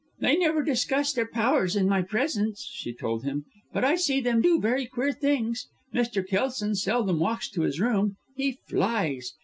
"They never discuss their powers in my presence," she told him, "but I see them do very queer things, Mr. Kelson seldom walks to his room, he flies.